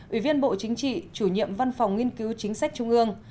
ủy viên bộ chính trị chủ nhiệm văn phòng nghiên cứu chính sách trung ương